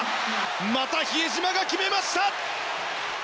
また比江島が決めました。